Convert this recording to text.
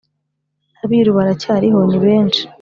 Abiru baracyariho ni benshi